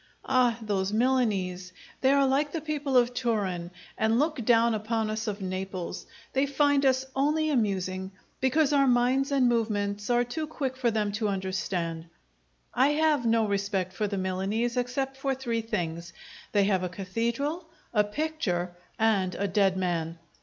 Ah, those Milanese! They are like the people of Turin, and look down upon us of Naples; they find us only amusing, because our minds and movements are too quick for them to understand. I have no respect for the Milanese, except for three things: they have a cathedral, a picture, and a dead man.